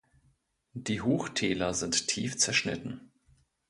Die Hochtäler sind tief zerschnitten.